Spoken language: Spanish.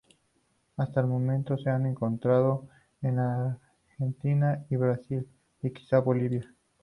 Hasta el momento se han encontrado en Argentina y Brasil, y quizá Bolivia.